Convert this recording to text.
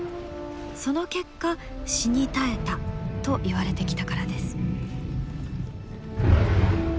その結果死に絶えたといわれてきたからです。